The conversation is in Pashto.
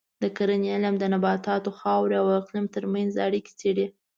د کرنې علم د نباتاتو، خاورې او اقلیم ترمنځ اړیکې څېړي.